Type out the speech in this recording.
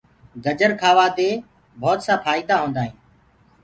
گرجر کآوآ دي ڀوتسآ ڦآئيدآ هوندآ هينٚ۔